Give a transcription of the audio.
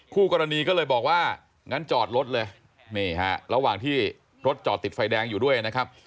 คู่กรณีก็เลยบอกว่างั้นจอดรถเลยนี่ฮะระหว่างที่รถจอดติดไฟแดงอยู่ด้วยนะครับ